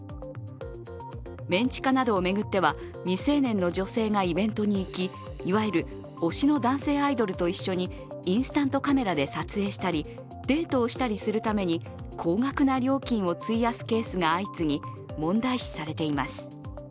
メン地下などを巡っては未成年の女性がイベントに行きいわゆる推しの男性アイドルと一緒にインスタントカメラで撮影したり、デートをしたりするために高額な料金を費やすケースが相次ぎ問題視されています。